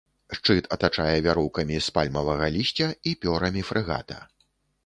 Шчыт атачае вяроўкамі з пальмавага лісця і пёрамі фрэгата.